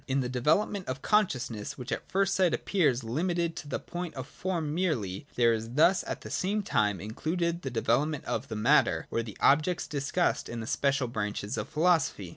In the development of consciousness, which at first sight appears limited to the point of form merely, there is thus at the same time included the development of the matter or of the objects discussed in the special branches of philosophy.